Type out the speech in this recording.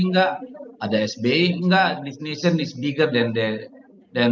enggak ada sbi enggak this nation is bigger than